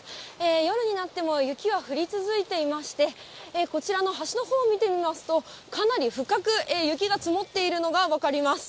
夜になっても、雪は降り続いていまして、こちらの橋のほう見てみますと、かなり深く雪が積もっているのが分かります。